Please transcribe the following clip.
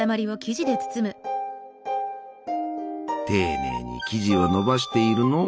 丁寧に生地をのばしているのう。